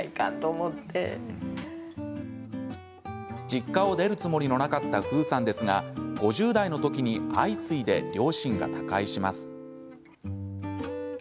実家を出るつもりのなかった楓さんですが、５０代の時に相次いで両親が他界します。